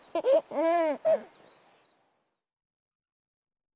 うん？